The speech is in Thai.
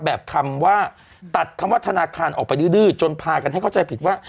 คำว่าตัดคำว่าธนาคารออกไปดื้อจนพากันให้เข้าใจผิดว่า